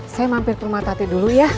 saya mampir ke rumah tati dulu ya